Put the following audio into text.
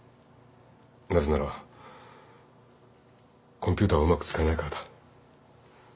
なぜならコンピューターがうまく使えないからだ。